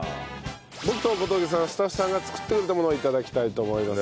僕と小峠さんはスタッフさんが作ってくれたものを頂きたいと思います。